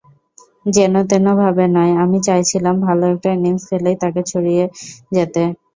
যেনতেনভাবে নয়, আমি চাইছিলাম ভালো একটা ইনিংস খেলেই তাঁকে ছাড়িয়ে যেতে।